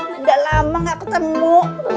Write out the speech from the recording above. udah lama nggak ketemu